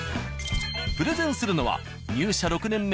プレゼンするのは。